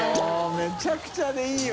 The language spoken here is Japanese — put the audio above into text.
めちゃくちゃでいいよ。